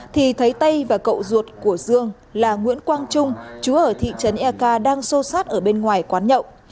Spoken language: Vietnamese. thì thấy tay và cậu ruột của dương là nguyễn quang trung chú ở thị trấn eak đang xô sát ở bên ngoài quán nhậu